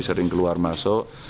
sering keluar masuk